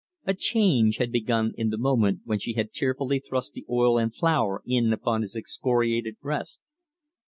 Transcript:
A change had begun in the moment when she had tearfully thrust the oil and flour in upon his excoriated breast.